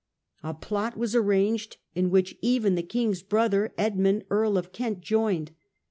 A plot was arranged, in which even the king's brother Edmund, Earl of Kent, joined.